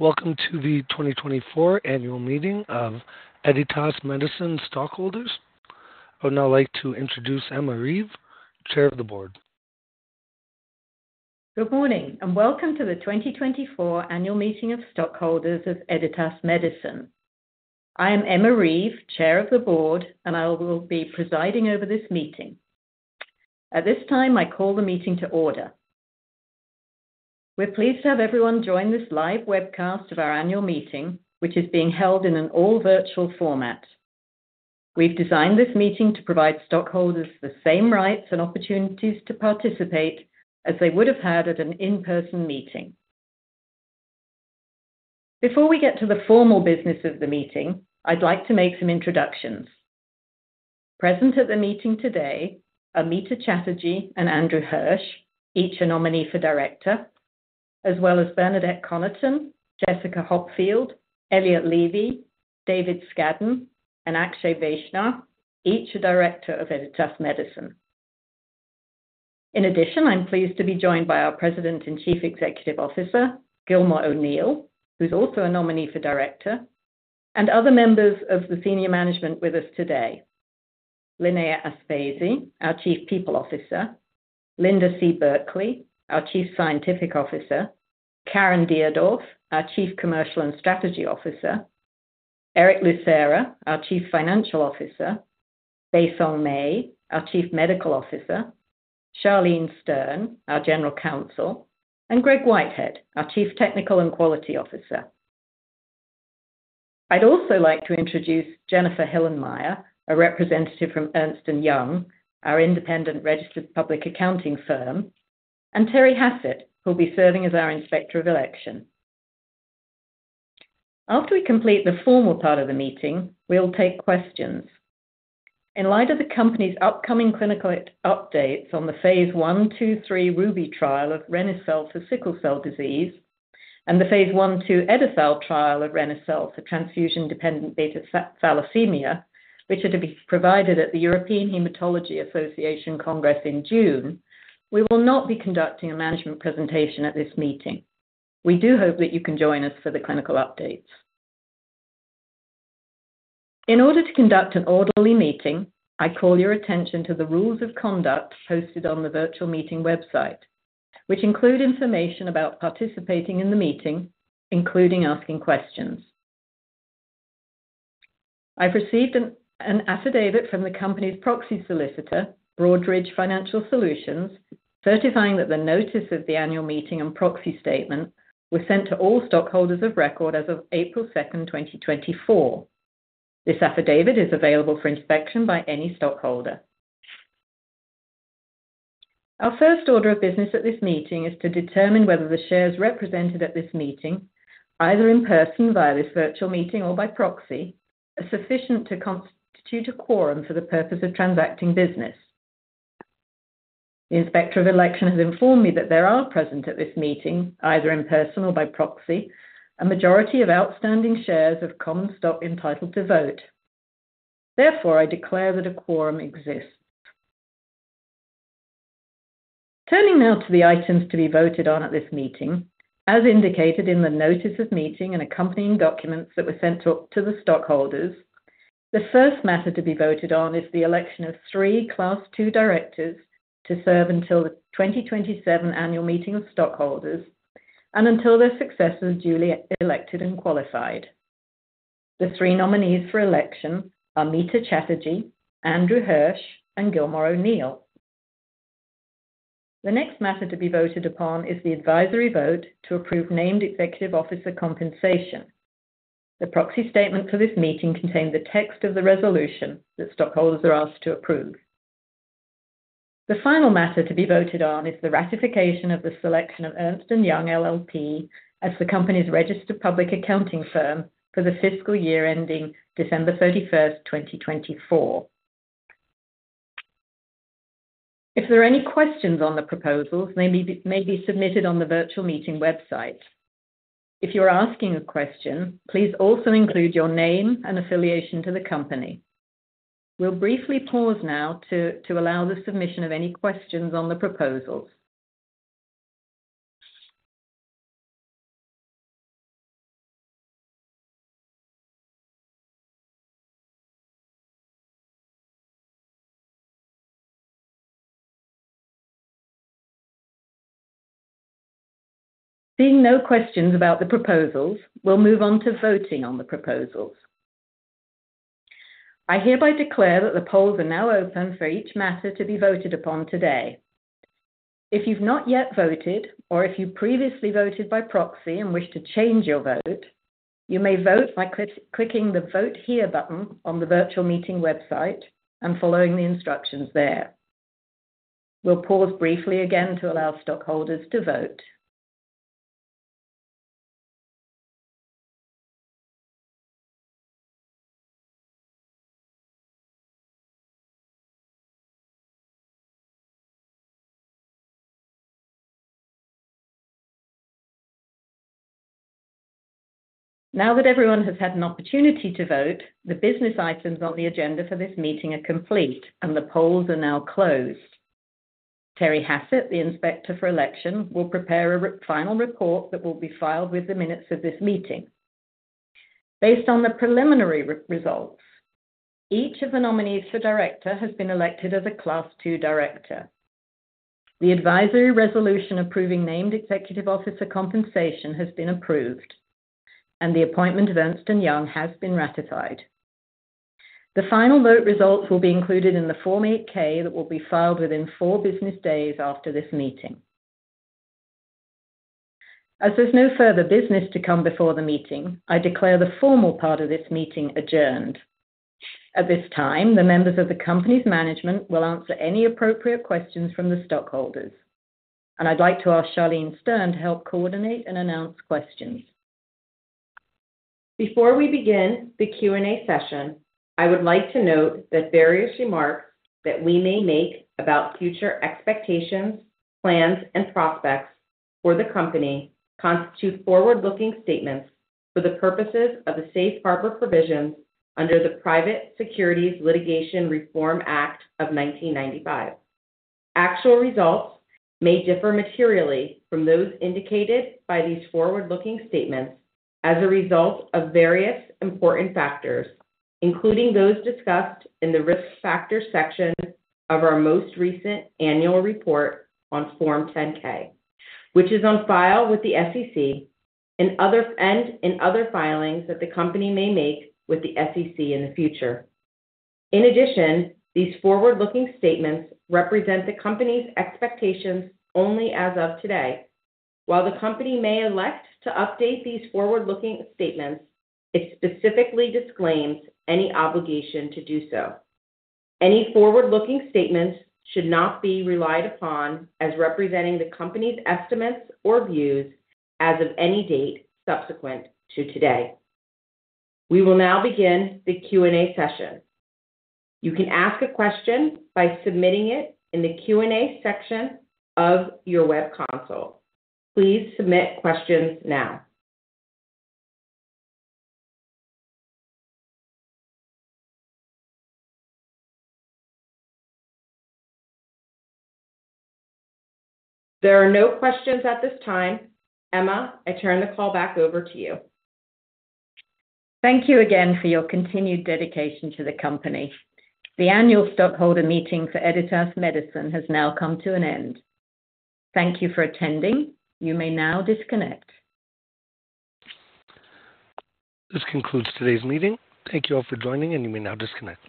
Welcome to the 2024 Annual Meeting of Editas Medicine Stockholders. I would now like to introduce Emma Reeve, Chair of the Board. Good morning, and welcome to the 2024 Annual Meeting of Stockholders of Editas Medicine. I am Emma Reeve, Chair of the Board, and I will be presiding over this meeting. At this time, I call the meeting to order. We're pleased to have everyone join this live webcast of our annual meeting, which is being held in an all-virtual format. We've designed this meeting to provide stockholders the same rights and opportunities to participate as they would have had at an in-person meeting. Before we get to the formal business of the meeting, I'd like to make some introductions. Present at the meeting today are Meeta Chatterjee and Andrew Hirsch, each a nominee for director, as well as Bernadette Connaughton, Jessica Hopfield, Elliott Levy, David Scadden, and Akshay Vaishnaw, each a director of Editas Medicine. In addition, I'm pleased to be joined by our President and Chief Executive Officer, Gilmore O'Neill, who's also a nominee for director, and other members of the senior management with us today. Linnea Aspesi, our Chief People Officer, Linda C. Burkly, our Chief Scientific Officer, Caren Deardorf, our Chief Commercial and Strategy Officer, Erick Lucera, our Chief Financial Officer, Baisong Mei, our Chief Medical Officer, Charlene Stern, our General Counsel, and Greg Whitehead, our Chief Technical and Quality Officer. I'd also like to introduce Jennifer Hillenmeyer, a representative from Ernst & Young, our independent registered public accounting firm, and Terry Hassett, who will be serving as our Inspector of Election. After we complete the formal part of the meeting, we'll take questions. In light of the company's upcoming clinical updates on the Phase I/II/III RUBY trial of reni-cel for sickle cell disease and the Phase I/ II EdiTHAL trial of reni-cel for transfusion-dependent beta thalassemia, which are to be provided at the European Hematology Association Congress in June, we will not be conducting a management presentation at this meeting. We do hope that you can join us for the clinical updates. In order to conduct an orderly meeting, I call your attention to the rules of conduct posted on the virtual meeting website, which include information about participating in the meeting, including asking questions. I've received an affidavit from the company's proxy solicitor, Broadridge Financial Solutions, certifying that the notice of the annual meeting and proxy statement were sent to all stockholders of record as of April 2, 2024. This affidavit is available for inspection by any stockholder. Our first order of business at this meeting is to determine whether the shares represented at this meeting, either in person via this virtual meeting or by proxy, are sufficient to constitute a quorum for the purpose of transacting business. The Inspector of Election has informed me that there are present at this meeting, either in person or by proxy, a majority of outstanding shares of common stock entitled to vote. Therefore, I declare that a quorum exists. Turning now to the items to be voted on at this meeting. As indicated in the notice of meeting and accompanying documents that were sent to the stockholders, the first matter to be voted on is the election of three Class II directors to serve until the 2027 annual meeting of stockholders and until their successors duly elected and qualified. The three nominees for election are Meeta Chatterjee, Andrew Hirsch, and Gilmore O'Neill. The next matter to be voted upon is the advisory vote to approve named executive officer compensation. The proxy statement for this meeting contained the text of the resolution that stockholders are asked to approve. The final matter to be voted on is the ratification of the selection of Ernst & Young LLP as the company's registered public accounting firm for the fiscal year ending December 31st, 2024. If there are any questions on the proposals, they may be submitted on the virtual meeting website. If you're asking a question, please also include your name and affiliation to the company. We'll briefly pause now to allow the submission of any questions on the proposals. Seeing no questions about the proposals, we'll move on to voting on the proposals. I hereby declare that the polls are now open for each matter to be voted upon today. If you've not yet voted, or if you previously voted by proxy and wish to change your vote, you may vote by clicking the "Vote Here" button on the virtual meeting website and following the instructions there. We'll pause briefly again to allow stockholders to vote. Now that everyone has had an opportunity to vote, the business items on the agenda for this meeting are complete, and the polls are now closed. Terry Hassett, the Inspector of Election, will prepare a final report that will be filed with the minutes of this meeting. Based on the preliminary results, each of the nominees for director has been elected as a Class II director. The advisory resolution approving named executive officer compensation has been approved, and the appointment of Ernst & Young has been ratified. The final vote results will be included in the Form 8-K that will be filed within four business days after this meeting. As there's no further business to come before the meeting, I declare the formal part of this meeting adjourned. At this time, the members of the company's management will answer any appropriate questions from the stockholders, and I'd like to ask Charlene Stern to help coordinate and announce questions. Before we begin the Q&A session, I would like to note that various remarks that we may make about future expectations, plans, and prospects for the company constitute forward-looking statements for the purposes of the safe harbor provisions under the Private Securities Litigation Reform Act of 1995. Actual results may differ materially from those indicated by these forward-looking statements as a result of various important factors, including those discussed in the Risk Factors section of our most recent annual report on Form 10-K, which is on file with the SEC and other, and in other filings that the company may make with the SEC in the future. In addition, these forward-looking statements represent the company's expectations only as of today. While the company may elect to update these forward-looking statements, it specifically disclaims any obligation to do so. Any forward-looking statements should not be relied upon as representing the company's estimates or views as of any date subsequent to today. We will now begin the Q&A session. You can ask a question by submitting it in the Q&A section of your web console. Please submit questions now. There are no questions at this time. Emma, I turn the call back over to you. Thank you again for your continued dedication to the company. The Annual Stockholder Meeting for Editas Medicine has now come to an end. Thank you for attending. You may now disconnect. This concludes today's meeting. Thank you all for joining, and you may now disconnect.